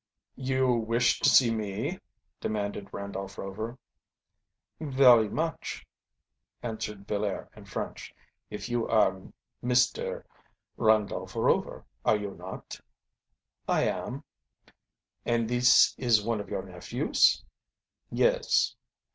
"You wish to see me?" demanded Randolph Rover. "Very much," answered Villaire in French. "If You are Mr. Randolph Rover, are you not?" "I am." "And this is one of your nephews?" "Yes."